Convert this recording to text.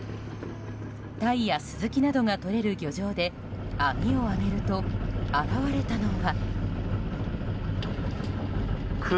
タイやスズキなどがとれる漁場で網を上げると現れたのは。